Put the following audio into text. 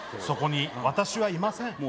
そこに私はいません。